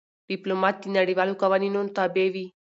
ډيپلومات د نړیوالو قوانینو تابع وي.